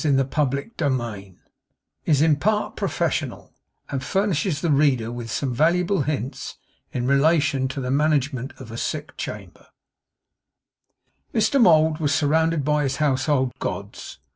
CHAPTER TWENTY FIVE IS IN PART PROFESSIONAL, AND FURNISHES THE READER WITH SOME VALUABLE HINTS IN RELATION TO THE MANAGEMENT OF A SICK CHAMBER Mr Mould was surrounded by his household gods.